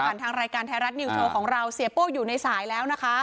ทางรายการไทยรัฐนิวโชว์ของเราเสียโป้อยู่ในสายแล้วนะคะ